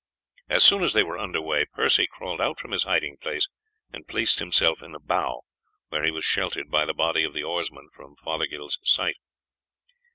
As soon as they were under way Percy crawled out from his hiding place and placed himself in the bow, where he was sheltered by the body of the oarsmen from Fothergill's sight.